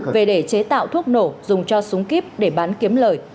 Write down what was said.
về để chế tạo thuốc nổ dùng cho súng kíp để bán kiếm lời